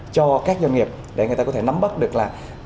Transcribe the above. cho các doanh nghiệp để người ta có thể nắm bắt được là